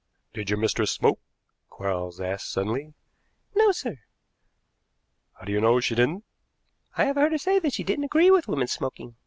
"Did your mistress smoke?" Quarles asked suddenly. "No, sir." "How do you know she didn't?" "I have heard her say she didn't agree with women smoking.